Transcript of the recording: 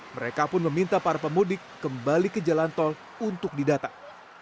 mereka pun meminta para pemudik kembali ke jalan tol untuk didatang